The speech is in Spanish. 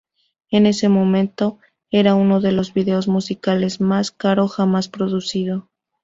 En ese momento, era uno de los vídeos musicales más caro jamás producido.